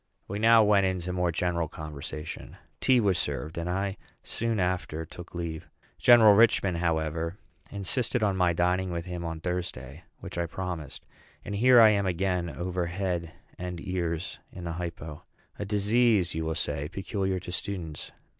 We now went into more general conversation. Tea was served; and I soon after took leave. General Richman, however, insisted on my dining with him on Thursday; which I promised. And here I am again over head and ears in the hypo a disease, you will say, peculiar to students.